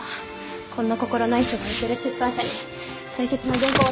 こんな心ない人がやってる出版社に大切な原稿を。